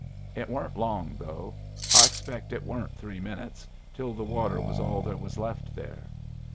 "It warn't long, though. I expect it warn't three minutes till the water was all there was left there.